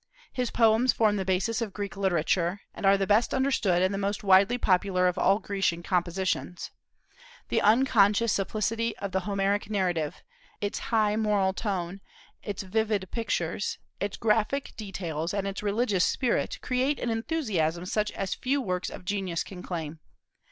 His poems form the basis of Greek literature, and are the best understood and the most widely popular of all Grecian compositions. The unconscious simplicity of the Homeric narrative, its high moral tone, its vivid pictures, its graphic details, and its religious spirit create an enthusiasm such as few works of genius can claim.